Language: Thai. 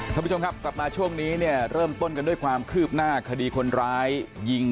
ท่านผู้ชมครับกลับมาช่วงนี้เนี่ยเริ่มต้นกันด้วยความคืบหน้าคดีคนร้ายยิง